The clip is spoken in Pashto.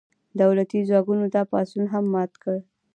دولتي ځواکونو دا پاڅون هم مات کړ.